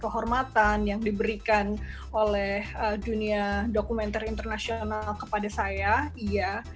kehormatan yang diberikan oleh dunia dokumenter internasional kepada saya iya